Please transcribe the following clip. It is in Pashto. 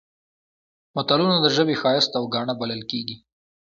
متلونه د ژبې ښایست او ګاڼه بلل کیږي